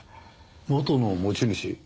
元の持ち主？